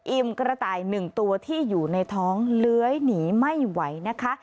กระต่าย๑ตัวที่อยู่ในท้องเลื้อยหนีไม่ไหวนะคะ